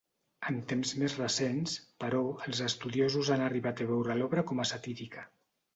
En temps més recents, però, els estudiosos han arribat a veure l'obra com a satírica.